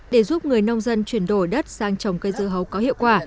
để giúp người nông dân chuyển đổi đất sang trồng cây dưa hấu có hiệu quả